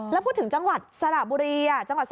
แล้วพูดถึงจังหวัดสระบุรี